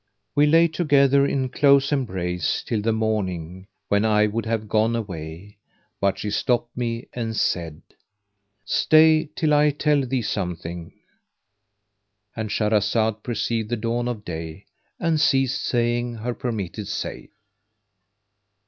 "[FN#516] We lay together in close embrace till the morning when I would have gone away, but she stopped me and said, "Stay till I tell thee something"—And Shahrazad perceived the dawn of day and ceased saying her permitted say.